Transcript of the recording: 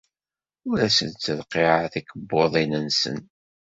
Ur asen-ttreqqiɛeɣ tikebbuḍin-nsen.